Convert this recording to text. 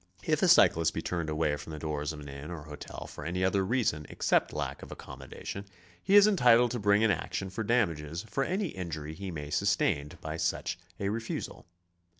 If a cyclist be turned away from the doors of an inn or hotel for any other reason except lack of accommodation, he is entitled to bring an action for dam ages for any injury he may sustain by such a refusal.